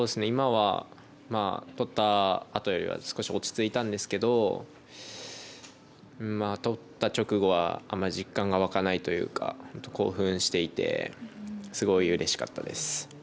今は取ったあとよりは少し落ち着いたんですけど取った直後はあんまり実感がわかないというか興奮していてすごいうれしかったです。